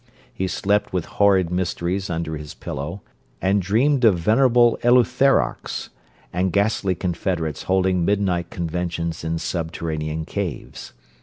He slept with Horrid Mysteries under his pillow, and dreamed of venerable eleutherarchs and ghastly confederates holding midnight conventions in subterranean caves.